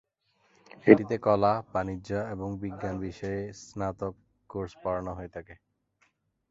এটিতে কলা, বাণিজ্য এবং বিজ্ঞান বিষয়ে স্নাতক কোর্স পড়ানো হয়ে থাকে।